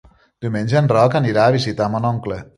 Diumenge en Roc anirà a visitar mon oncle.